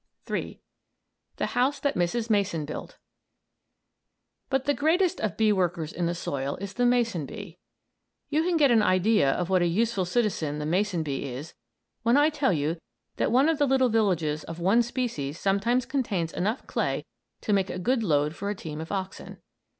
III. THE HOUSE THAT MRS. MASON BUILT But the greatest of bee workers in the soil is the mason bee. You can get an idea of what a useful citizen the mason bee is when I tell you that one of the little villages of one species sometimes contains enough clay to make a good load for a team of oxen.